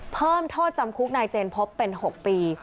เพิ่มโทษจำคุกนายเจนพบเป็น๖ปี